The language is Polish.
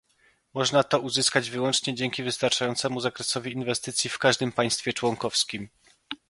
Można to uzyskać wyłącznie dzięki wystarczającemu zakresowi inwestycji w każdym państwie członkowskim